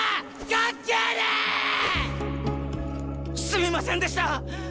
すみませんでした！